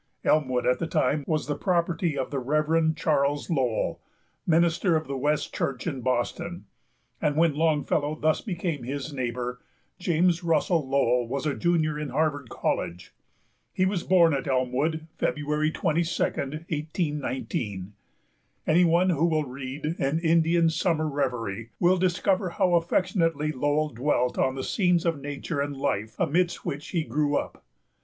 Elmwood at that time was the property of the Reverend Charles Lowell, minister of the West Church in Boston, and when Longfellow thus became his neighbor, James Russell Lowell was a junior in Harvard College. He was born at Elmwood, February 22, 1819. Any one who will read An Indian Summer Reverie will discover how affectionately Lowell dwelt on the scenes of nature and life amidst which he grew up.